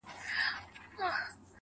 حالاتو دغه حد ته راوسته ه ياره